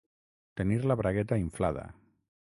Tenir la bragueta inflada.